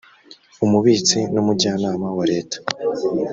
umubitsi n umujyanama wa leta